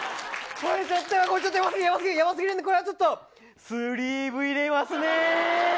ちょっとヤバすぎるんでこれはちょっとスリーブ入れますね。